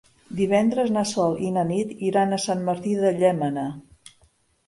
Divendres na Sol i na Nit iran a Sant Martí de Llémena.